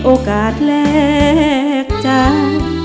โอกาสแลกใจ